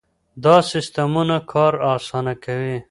دا سیستمونه کار اسانه کوي.